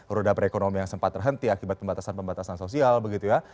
roda perekonomian yang sempat terhenti akibat pembatasan pembatasan sosial begitu ya